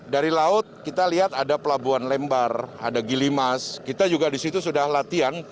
dari laut kita lihat ada pelabuhan lembar ada gilimas kita juga disitu sudah latihan